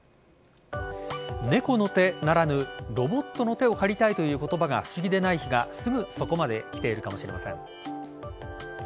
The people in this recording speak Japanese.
猫の手ならぬロボットの手を借りたいという言葉が不思議でない日がすぐそこまで来ているかもしれません。